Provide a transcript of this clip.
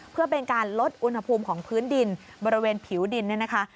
เพื่อเป็นการลดอุณหภูมิของพื้นดินบริเวณผิวดินเนี่ยนะคะ